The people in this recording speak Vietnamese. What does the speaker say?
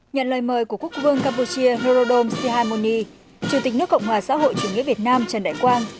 nhận lời mời của quốc vương campuchia horom sihamoni chủ tịch nước cộng hòa xã hội chủ nghĩa việt nam trần đại quang